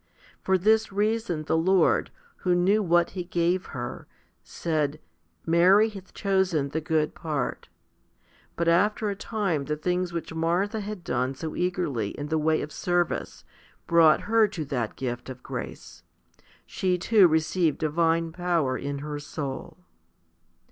For this reason the Lord, who knew what He gave her, said *Mary hath chosen the good part. 3 But after a time the things which Martha had done so eagerly in the way of service brought her to that gift of grace. She too received divine power in her soul.